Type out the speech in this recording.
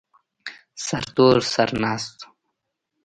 سرتور سر ناست و.